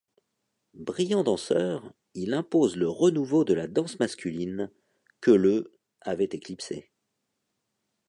Brillant danseur, il impose le renouveau de la danse masculine que le avait éclipsée.